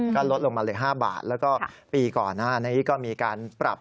ก็ลดลงมาเลย๕บาทแล้วก็ปีก่อนหน้านี้ก็มีการปรับ